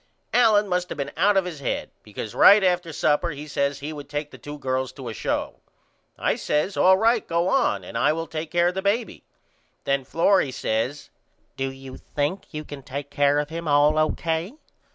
Allen must have been out of his head because right after supper he says he would take the 2 girls to a show. I says All right go on and I will take care of the baby. Then Florrie says Do you think you can take care of him all O.K.?